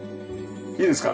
いいですか？